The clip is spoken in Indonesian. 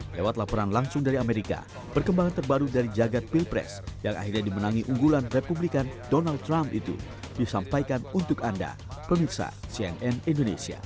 lewat laporan langsung dari amerika perkembangan terbaru dari jagad pilpres yang akhirnya dimenangi unggulan republikan donald trump itu disampaikan untuk anda pemirsa cnn indonesia